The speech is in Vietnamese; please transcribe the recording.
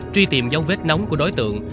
truy tìm dấu vết nóng của đối tượng